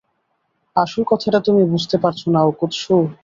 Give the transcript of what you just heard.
আসল কথাটা তুমি বুঝতে পারছো না, ওকোৎসু।